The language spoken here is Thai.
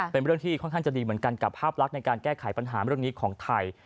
เป็นเรื่องที่ค่อนข้างจะดีเหมือนกันกับภาพลักษณ์ในการแก้ไขปัญหาเรื่องนี้ของไทย